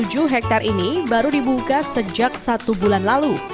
tujuh hektare ini baru dibuka sejak satu bulan lalu